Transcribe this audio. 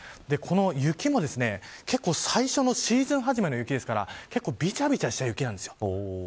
雪も結構最初のシーズン初めの雪ですから結構びちゃびちゃした雪なんです。